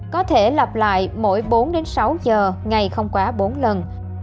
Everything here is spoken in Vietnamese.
có thể lập lại mỗi bốn sáu giờ ngày không quá bốn lần